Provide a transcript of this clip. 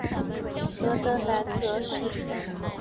河的南侧是。